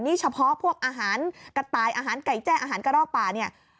นี่เฉพาะพวกอาหารกระต่ายอาหารไก่แจ้อาหารกระรอกป่าเนี่ย